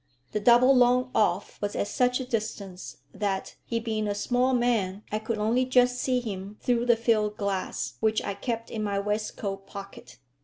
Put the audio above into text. The double long off was at such a distance that, he being a small man, I could only just see him through the field glass which I kept in my waistcoat pocket.